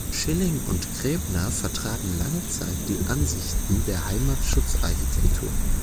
Schilling und Graebner vertraten lange Zeit die Ansichten der Heimatschutzarchitektur.